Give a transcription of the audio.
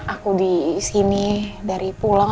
aku disini dari pulang